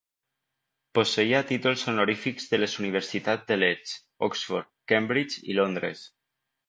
Posseïa títols honorífics de les Universitats de Leeds, Oxford, Cambridge i Londres.